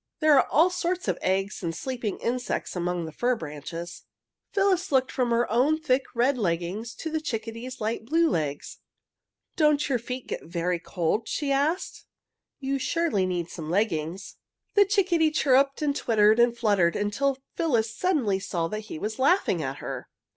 There are all sorts of eggs and sleeping insects among the fir branches." Phyllis looked from her own thick red leggings to the chickadee's light blue legs. "Don't your feet get very cold?" she asked. "You surely need some leggings." The chickadee chirruped and twittered and fluttered until Phyllis suddenly saw that he was laughing at her.